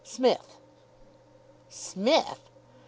Smith." Psmith!